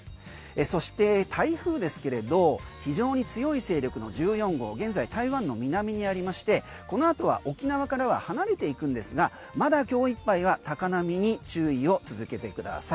そして台風ですけれど非常に強い勢力の１４号現在、台湾の南にありましてこの後は沖縄からは離れていくんですがまだ今日いっぱいは高波に注意を続けてください。